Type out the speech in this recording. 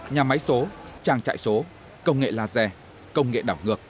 nhà máy số trang trại số công nghệ laser công nghệ đảo ngược